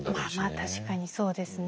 まあ確かにそうですね。